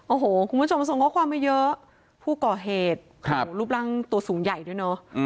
โอ้โหคุณผู้ชมส่งข้อความมาเยอะผู้ก่อเหตุรูปร่างตัวสูงใหญ่ด้วยเนอะ